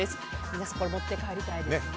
皆さん、持って帰りたいですよね。